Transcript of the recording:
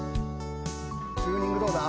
チューニングどうだ？